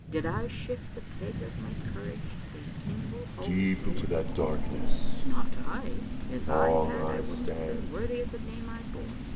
Did I shift the peg of my courage a single hole lower ? Not I. If I had I wouldn't have been worthy of the name I bore.